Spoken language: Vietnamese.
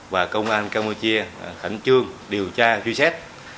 và công an campuchia khẳng trương điều tra truy xét